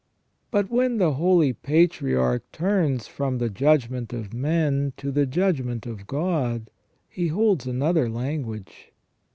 But when the holy patriarch turns from the judgment of men to the judgment of God, he holds another language.